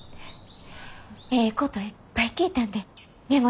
ええこといっぱい聞いたんでメモってきました。